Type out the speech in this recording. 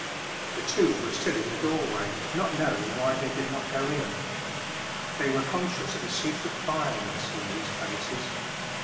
The two were still in the doorway, not knowing why they did not go in. They were conscious of a secret vileness in these faces.